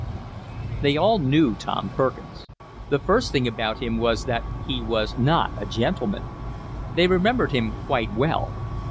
They all knew Tom Perkins. The first thing about him was that he was not a gentleman. They remembered him quite well.